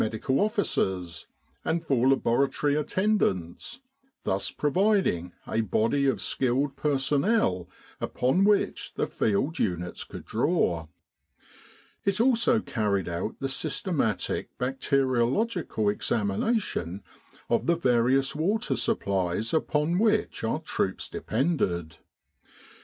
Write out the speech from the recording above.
O.'s and for laboratory attendants, thus providing a body of skilled personnel upon which the field units could draw. It also carried out the systematic bacteriological examination of the various water supplies upon which our troops depended.